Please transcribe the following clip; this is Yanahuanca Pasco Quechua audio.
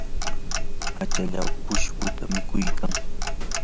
achallaw pushputa mikuykan.